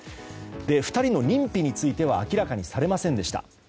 ２人の認否については明らかにされませんでした。